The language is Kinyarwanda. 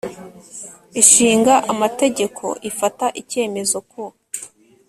Ishinga Amategeko ifata icyemezo ku